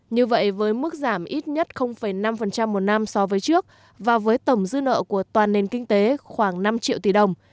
như vậy với mức giảm ít nhất năm một năm so với trước và với tổng dư nợ của toàn nền kinh tế khoảng năm triệu tỷ đồng